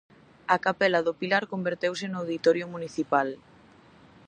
A capela do Pilar converteuse no auditorio municipal.